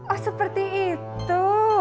oh seperti itu